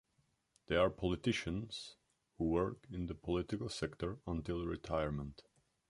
They are politicians who work in the political sector until retirement.